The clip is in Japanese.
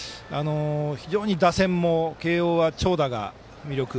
非常に打線も慶応は長打が魅力。